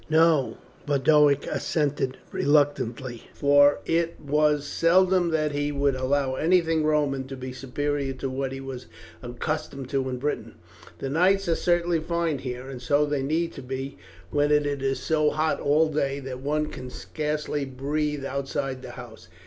"No," Boduoc assented reluctantly, for it was seldom that he would allow anything Roman to be superior to what he was accustomed to in Britain; "the nights are certainly fine here, and so they need be when it is so hot all day that one can scarcely breathe outside the house.